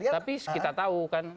tapi kita tahu kan